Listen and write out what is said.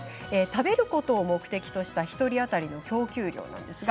食べることを目的とした１人当たりの供給量